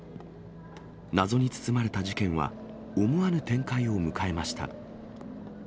謎に包まれた事件は、思わぬ展開を迎えました。